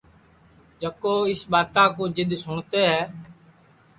جکو اِس ٻاتا کُو جِدؔ سُٹؔتے ہے